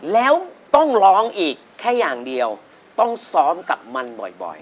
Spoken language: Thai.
แล้วต้องร้องอีกแค่อย่างเดียวต้องซ้อมกับมันบ่อย